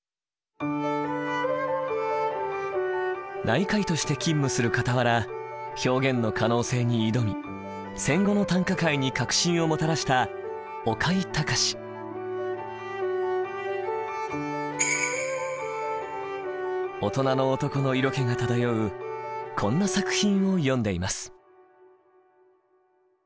内科医として勤務するかたわら表現の可能性に挑み戦後の短歌界に革新をもたらした大人の男の色気が漂うこんな作品を詠んでいます。